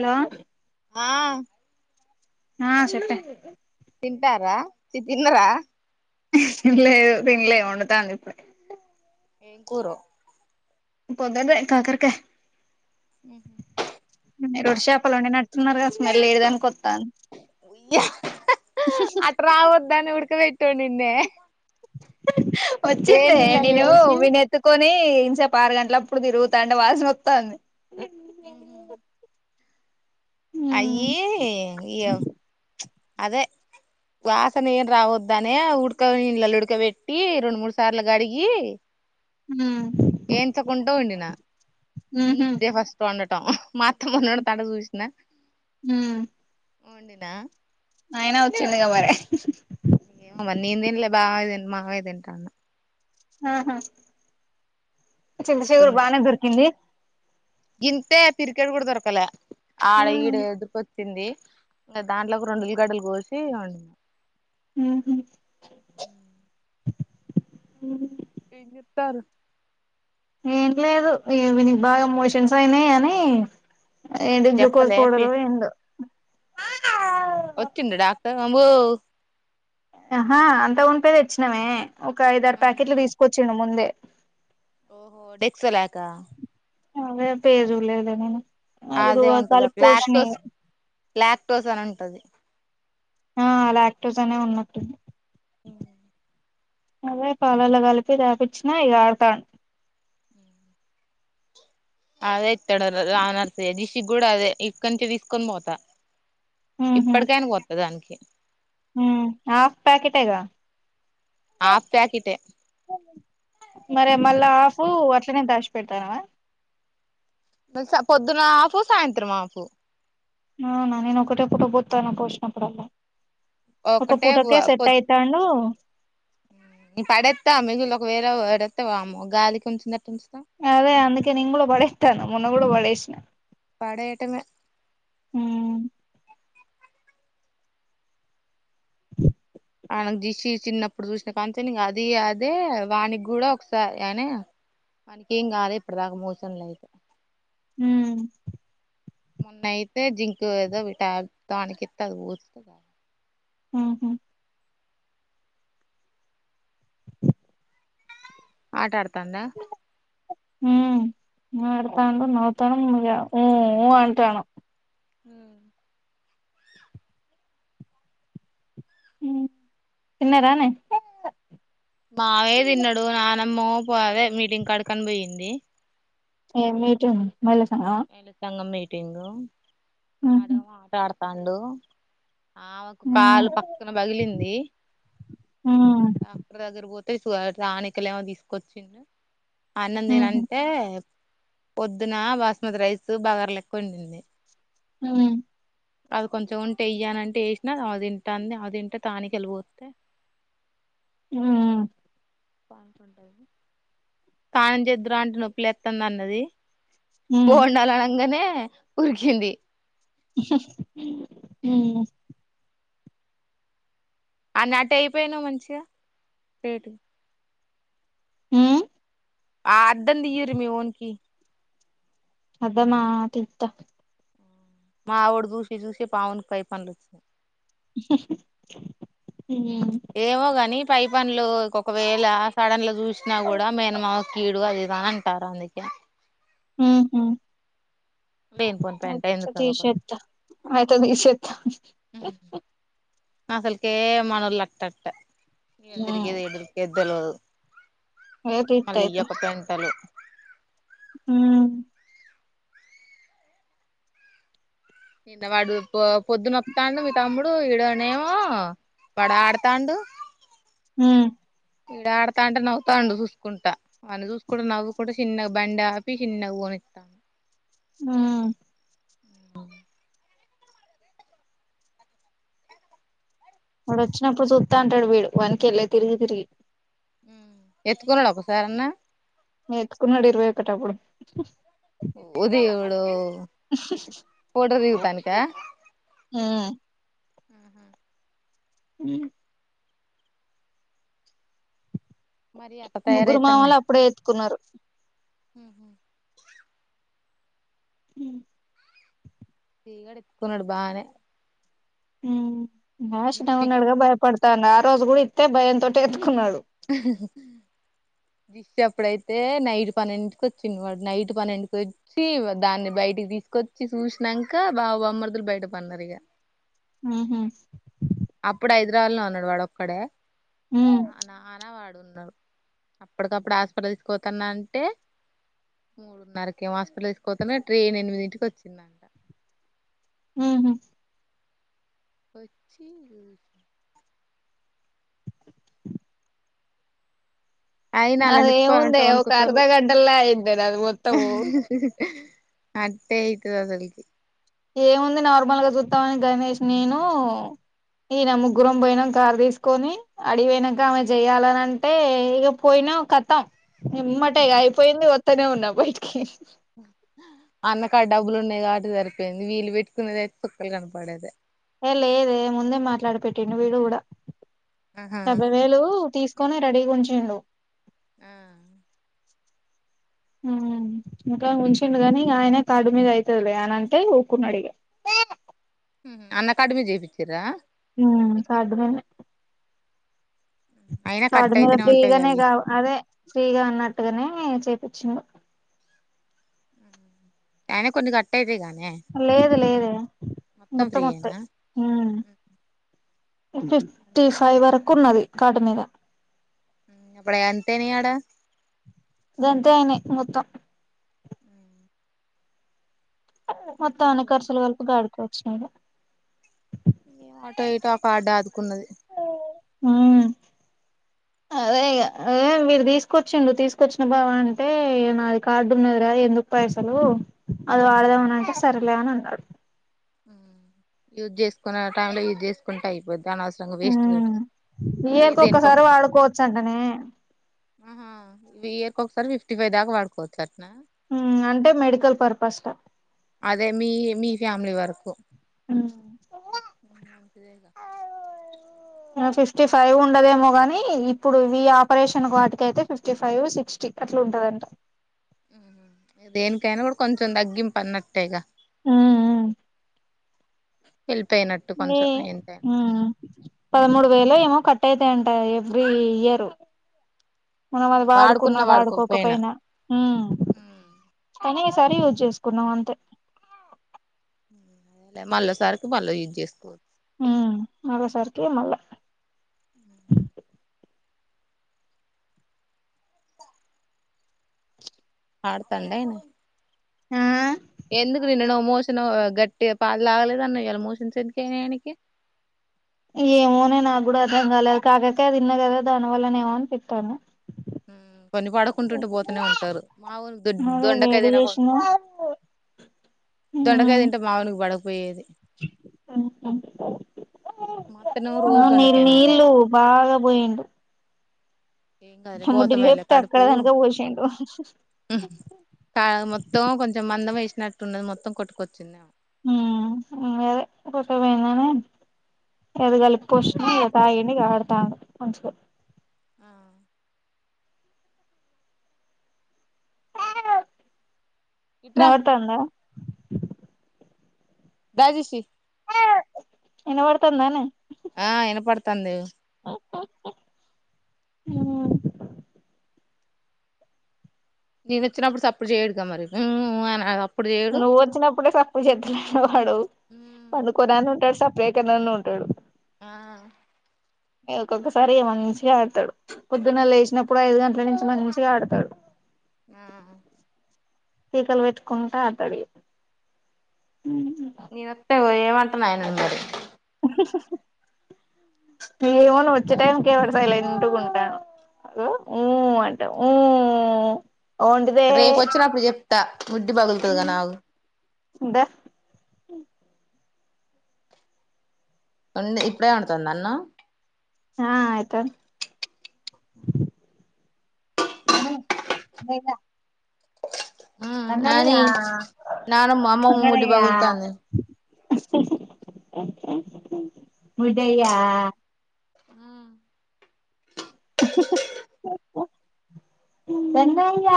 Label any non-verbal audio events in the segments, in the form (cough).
Hello ఆ ఆ చెప్పే తింటారా చి తిన్నరా లేదు తిన్లే వండుతాంది ఇప్పుడే ఏం కూరో పొద్దట్దే కాకరకాయ్ మ్ హు మీరు వట్టి చేపలు వండి నట్టున్నారు గ స్మెల్ ఇది దాక ఒతంది అట్ట రావద్దని ఉడకి వెట్డి వండిన్నే వచ్చిందే నీళ్ళల్ల నిను ఏసి వినేత్ త్తుకొని ఇంత సేపు ఆరు గంటలప్పుడు తిరుగుతంటే వాసనోస్తాంది మ్ హూ అయ్యి ఇయ్యే అదే వాసన ఎం రావద్దనే ఉడక నీళ్ళళ్ళ ఉడక పెట్టి రెండు మూడు సార్ల కడిగి మ్ ఏన్చ్చ కుంట వండినా ఉహు నిన్ దే ఫస్ స్ట్ వండటం మా అత్తమ్మాండుతంటే చూసిన హ్మ్ వండిన అయినా వచ్చిందిగా మరి నేను తింలే బావే మావయ్య తింటాండు ఆహా అది చింతచిగురు ఎట్టుందో బానే దొరికింది గింతే పిరికెడు కూడా దొరకలే ఆడ ఈడ ఉహు ఎదుర్ చింది ఇంగ దాంట్లకు రెండు ఉల్లిగడ్డలు కోసి వండిన మ్ హూ ఏంచేత్తర్రు ఏం లేదు ఇగ వీనికి బాగా మోషన్స్ అయినాయి అని ఎంటిది గ్లుకోస్ చెప్పలే పి పౌడరో ఎందో ఆంబో ఆహా అంతమునుపే తెచ్చినమే ఒక ఐద ఆరు ప్యాకెట్లు తీసుకొచిండు ముందే ఓహో డెక్లాలక అదే పేరుజూళ్ళేదే నిను అది అదే పుడు ఉంటది కాలిపి ఒక పోశిన ఇగ లాక్టోస్ లాక్టోస్ అని ఉంటది ఆ లాక్టోస్ అనే ఉన్నట్టుంది హ్మ్ అదే పాలల్ల కలిపి తాపిచ్చిన ఇగ ఆడుతాండు అదే ఇత్తడు రాన రిషికి కూడా అదే ఇక్క నుంచి తీసుకొని పోతా ఇప్పటికైనా పోత్త దానికి మ్ హాఫ్ ప్యాకెటే గ హాఫ్ ప్యాకెటే మరె మళ్ళ ఆఫ్ అట్లనే దాచి పెడుతానవ పొద్దున హాఫ్ సాయంత్రం హాఫ్ అవునా నేను ఒకటే పూట పొత్తన పోసినప్పుడల్లా ఒక ఒకటే పూటకే సెట్ పొద్ అయి తాండూ పడేత్త మిగిలి ఒక వేల పడేతె వామ్మో గాలికి ఉంచినట్టు ఉంచుత అదే అందుకే నేను కూడా పడేస్తాన మొన్న కూడా పడేసిన పడేయటమే మ్మ్ అ ఆ దిసి చిన్నప్పుడు చూసినకాంచెని అది అదే వానికి కూడా ఒకసారి అని వానికి ఏం కాలే ఇప్పుటి దాకా మోషన్లయితె మ్ మొన్న అయితే జింక్ ఏదో ఒక టా టానిక్కిస్తే అది పోస్తదికదా. ఉమ్ ఉమ్. ఆట ఆడుతుందా. ఉమ్ ఆడుతాండు నవ్వుతాండు ఇగ ముఊఊ అంటాడు. ఉహ్మ్ హ్మ్ తిన్నారనే. మావే తిన్నడు నానమ్మ పో అదే మీటింగ్ కడికని పోయింది. ఏం మీటింగ్ మహిళ సంఘం. మహిళ సంఘం మీటింగు వాడు ఉహు మాట్లాడుతుండు. ఆమెకు ఉ కాలు పక్కున పగిలింది ఉహు ఆ డాక్టర్ దగ్గర పోతే టానికులు ఏమో తీసుకొచ్చిండు అన్నం ఉమ్ తినంటే. పొద్దున బాస్మతి రైస్ బగార లెక్క వండింది. ఉమ్. అది కొంచెం ఉంటే వేయ్యానంటే వేసినా అది తింటాంది అది తింటే టానిక్లు పోస్తే. ఉమ్. స్నానం చెదువురా అంటే నొప్పి లేస్థాందీ అన్నది. ఉమ్ బోండాలు అనంగానే ఉరికింది. ఉమ్. అని అటై అయిపోయినావు మంచిగా రేటు. ఉహూ. అద్దం తీయండ్రి మీ వోనికి. అద్దమా తీస్తా. మా వోడు చూసి చూసి మా వోడికి పై పళ్ళు వచ్చినాయి. ఆహ్. ఉమ్. ఏమో గాని పై పళ్ళు ఒకవేళ సడన్లో చూసినా కూడా మేనమామ కు. కీడు అదిదాంటారు అందుకే. ఉమ్ ఉహూ. లేనిపోని పెంట అయితే ఎందుకు అదొకటి తీసేస్తా అయితే తీసేస్తా. అసలుకే మనోలు అట్ట అట్ట ఉమ్ ఎదురికిది ఎదురు. పెద్దలు ఏ తీత్త మళ్ళీ అయితే ఈయొక పెంటలు. ఉమ్. నిన్న వాడు పో పొద్దునొత్తా మీ తమ్ముడు ఈడనేమో. వాడు ఆడుతాండు. ఉమ్. ఈడు ఆడతా అంటే నవ్తాండు చూసుకుంటా. అని చూసుకుంటా నవ్వుకుంటా చిన్నగా బండి ఆపి చిన్నగా పోనిస్తాండు. ఉమ్. బా వాడు వచ్చినప్పుడు చూస్తా ఉంటాడు వీడు వానికేళ్ళి తిరిగి తిరిగి. ఎత్తుకున్నాడ ఒకసారి అన్న. ఎత్తుకున్నాడు ఇరవై ఒకటప్పుడు. ఓ దేవుడో. ఆహ్. ఉహూ. ఉ మరి అట్ట ముగ్గురు మావలు అప్పుడే ఎత్తుకున్నారు ఉహు హు తీగాడు ఎత్తుకున్నాడు బానే ఉమ్ బాష్ట ఉన్నాడుగా భయపడ్తాన్న ఆ రోజు గూడా ఇతై భయంతోటే ఎత్తుకున్నాడు దిష్టఅప్పుడేతే నైట్ పన్నెండింట్టికి ఒచ్చిండు వాడు నైట్ పన్నెండింటికి వోయ్ చీవ దాన్ని బైటికి దిస్కొచ్చి చూష్నాంకా బావబమ్మర్తులు బైట పన్నారు ఇగ ఉహు అప్పుడు ఐద్రావద్లనే ఉన్నాడు వాడు ఒక్కడే అ నా వాడు ఉన్నాడు అప్పడిదప్పుడు ఆస్ప్టల్ తీస్కువోతన్నా అంటే మూడున్నరకేమో హస్పిటల్ తీస్కవోతనే ట్రైన్ ఎనిమిదింటికి ఒచ్చింది. ఉహు ఒచ్చి ల అయిన అల్లనుఎత్తుకోవాలంటే అదేముంది ఒక ఒనుకుతారు. అర్ధ గంటల్లో అయింది అది మొత్తము అట్టే ఇకువోతది ఏముంది నార్మల్గా జుత్తమని గణేష్ నేను. ఇన ముగ్గురం బోయినక్క కారు దిస్కొని ఆడివోయినక్క ఆవే జెయాలని అంటే ఇగ పోయినా కతాం ఎమ్మాటే ఇగా అయిపోయింది వోత్తనే ఉన్నా బైటికి అన్నకాడా డబ్బులు ఉన్నాయ్ కావట్టి జరిపోయింది వీళ్లు వేట్టుకునేది అయితే కుక్కలు కన్పడేది ఏ లేదే ముందే మాట్లాడి పెట్టటిండు వీడు గూడా ఆహా డెబ్బై వేలూ తీస్ కొని రడిగూంచిండు. ఆ ఉ ఇంకా ఉంచిండు కాగానిక ఆయన కడు మీద అయితది లే అని అంటే ఇగ ఉకున్నాడు ఇగ అన్నకడిమి జేపిచ్చిర హమ్ సాడ్ మేమే అయినా కాడు కట్ మే అయితేనే ఉంటాయి ఫ్రీగానే అయి గా అదే ఫ్రీగా ఉన్నట్టుగానే చెప్పించిన (inaudible) ఆయనే కొన్ని గట్టేదే గానీ లేదు లేదే మొత్తం అత్తయ్ యేనా హూ ఫిఫ్టీ ఫైవ్ వర్కు ఉన్నది కాడ్ మీద పడయాంటయి నాయడ గంతే అయినాయి మొత్తం మొత్తం అన్ని మంచిదేలే కర్సులుగలిపి గాడికే ఒచ్చినై ఇగ అటో ఇటో ఆ పాడ్డ ఆదుకున్నది ఉమ్ అదే ఇగా వీడు దిస్కొచ్చిండు తీస్కొచ్చిన బావ అంటే ఇగ నాది కాడ్డు ఉన్నది రా ఎందుకు పైసలు అది వాడ్దామని అంటే సరేలే అని అన్నాడు యూజ్ జేస్కోనీ ఆ టైం లో యూజ్ జెస్కుంటే అయిపోద్ది అనవ్సరం హూ ఏక ఒక్కసారి ఒకదానికి వాడుకోవచ్చంటనే ఆహా ఏర్కొ ఒకసారి ఫిఫ్టీ ఫైవ్ దాకా వాడుకోవచ్చంట్నా ఉమ్ అంటే మెడికల్ పర్పస్క అదే మీ మీ ఫ్యామిలీ వర్కు. హు ఉ అంతేగా (unintelligible) ఫిఫ్టీ ఫైవ్ ఉండదేమో గాని ఇప్పుడు ఇ ఆపరేషన్ వాటికి అయితే ఫిఫ్టీ ఫైవ్ సిక్స్టీ అట్లా ఉంటదంట దేనికైనా కూడా కొంచెం తగ్గింపు అన్నట్టేగా ఉ ఉమ్ వెళ్ళిపోయిన ఏ మ్ పదమూడు వేలు ఏమో కట్ట అయితాయంట ఎవ్రీ ఇయరు మనం ఉహు అది వాడుకున్న వాడుకున్నా వాడుకోకపోయినా ఉ కానీ ఈ సారి యూజ్ చేసుకున్నాం అంతే ఉ అదే మళ్ళో సరికి మళ్ళ యూజ్ చేసుకో ఉమ్ మళ్ళో సరికే మళ్ళ ఆడతలేం ఆ ఎందుకు నిన్నో మోషన్ గట్టిగ పాలుతాగలేదు అన్న ఇయలా మోషన్స్ ఎందుకైనాయినాకి ఏమోనే నాకు కూడా అర్థం కాలేదు కాకరాకాయ తిన్నా కదా దానివల్ల ఏమో అనిపిత్తంది. కొన్ని పడకుంటుంటే పోతనే ఉంటారు మావో దొ అదే దొండక వేడి తిన చేసిన దొండకా తింటే మావునికి పడకపోయేది ఉ హ్మ్ మా అత్తనేమో రోజు ఆ నీళ్లు దొండకాయనే ఉంటది నీళ్లు బాగా పోయిండు ఏం కాదులే పోతమేలే ముడ్డిలేప్తే అక్కడ దానుక పోసిండు హ్మ్ కాదు మొత్తం కొంచెం మందం వేసినట్టున్నది మొత్తం కొట్టుకొచ్చిందేమో ఉమ్ గాదే దొడ్డికి పోయిండని గది కలుపుకొచ్చిన ఇగ తాగి న్ని ఆడతాండు మంచికే ఆ ఇట్రా నవ్ తాండ డైజిస్టి వినబడుతందానే ఆ వినపడుతాంది ఉ నేను ఇచ్చినాప్పుడు సప్పుడు చేయడుగ మరి మ్మ్ ఆ నువ్వు వచ్చినప్పుడే స ప్పుడు చెత్తాలే వాడు పండుకోన్నానే ఉంటాడు సప్పుడేకనన్న ఉంటాడు. ఆ ఇ ఒక్కొక్కసారి మంచిగా ఆడతాడు పొద్దున్న లేచినప్పుడు ఐదు గంటల నుంచి మంచిగా ఆడతాడు. ఆ కీకలు పెట్టుకుంటా ఆడతడు ఉ నేనొత్తే ఏమంటన్నా ఆయనను మారి ఏమో నువ్వు వచ్చే టైం కి వాడు సైలెంట్ గా ఉంటాడు. హాలో ఊ అంట ఉఊ రేపు వచ్చినప్పుడు చెప్తా ముడ్డి పగులుతదిగాని అగు దా ఉండి ఇప్పుడే అండుతంద అన్నాం ఆ అయితంది ఆ నాని బేగ నాని అన్నయ్యా నానమ్మ అమ్మమ్మ ముడ్డి అంగారయ్యా పగులుతాంది ముడయ్యా ఆ వెన్నయ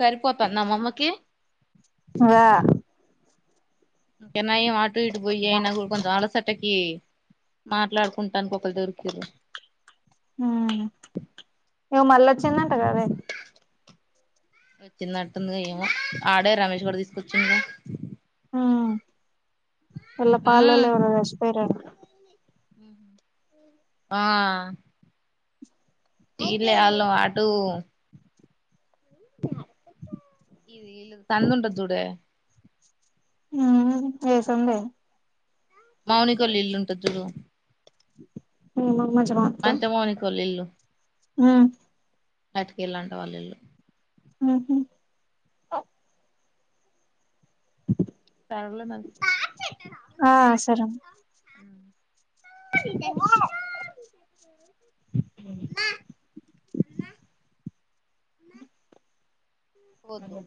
సరిపోతంద అమ్మమ్మకి ఆ ఇంకా నయం అటు ఇటు బోయి దా అయిన గు కొంచెం అలసటకి మాట్లాడుకుంటాను ఒకరు దొరికిరు ఈమె మళ్ళ వచ్చిందంట కదే వచ్చిందటుందిగా ఏమో ఆడే రమేష్ గాడు తీసుకొచ్చిందుగ హ వల్ల ఊ పాలోలు ఎవరో చచిపేరట ఆ ఇలే అల్లు అటు ఇది ఇళ్ళు సందుంటది చుడే ఆ ఏ సందె మౌనికోల ఇల్లు ఉంటది చూడు మమ్మజ మా అంత మోని కోల్ ఇల్లు హ అటు కెళ్ళి అంటా వాళ్ళ ఇళ్ళు ఉహు తారులో నా ఆ సరే అం నా వద్దు